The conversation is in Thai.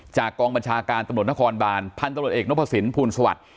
กองบัญชาการตำรวจนครบานพันธุ์ตำรวจเอกนพสินภูลสวัสดิ์